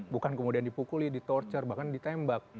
bukan kemudian dipukuli ditorture bahkan ditembak